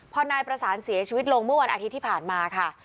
พอนายประสานเสียชีวิตลงเมื่อวันอาทิตย์ที่ผ่านมาค่ะ